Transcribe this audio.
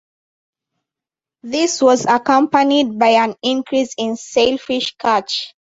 This was accompanied by an increase in sailfish catch.